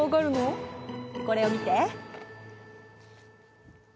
これを見て。